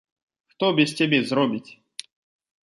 Хто без цябе зробіць?